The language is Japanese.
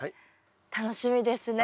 楽しみですね。